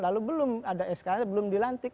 lalu belum ada skl belum dilantik